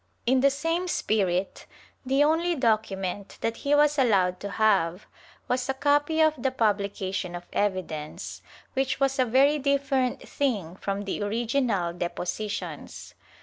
In the same spirit, the only docu ment, that he was allowed to have, was a copy of the publication of evidence, which was a very different thing from the original > MSS.